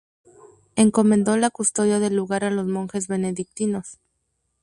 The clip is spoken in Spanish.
Encomendó la custodia del lugar a los monjes benedictinos.